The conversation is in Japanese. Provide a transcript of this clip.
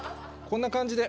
こんな感じで。